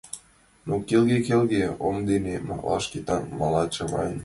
Но келге-келге омо дене Мала Шкетан, мала Чавайн.